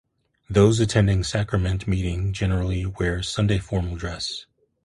Those attending sacrament meeting generally wear "Sunday formal" dress.